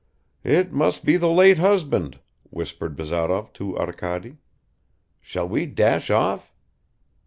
"It must be the late husband," whispered Bazarov to Arkady. "Shall we dash off?"